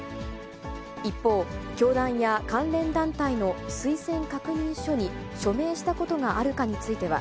一方、教団や関連団体の推薦確認書に署名したことがあるかについては、